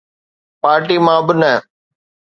Party مان به نه.